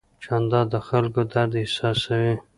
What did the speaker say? جانداد د خلکو درد احساسوي.